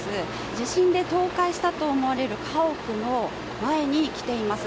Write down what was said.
地震で倒壊したと思われる家屋の前に来ています。